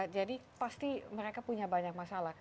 jadi pasti mereka punya banyak masalah